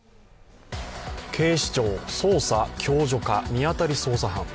警視庁捜査共助課、見当たり捜査班。